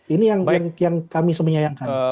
ini yang kami semenyayangkan